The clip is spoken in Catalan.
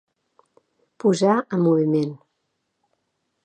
Posar en moviment.